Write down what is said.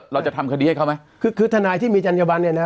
เราจะทำคดีให้เขาไหมคือคือทนายที่มีจัญญบันเนี่ยนะ